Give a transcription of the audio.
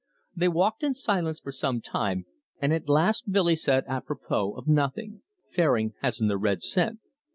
They walked in silence for some time, and at last Billy said, 'a propos' of nothing: "Fairing hasn't a red cent."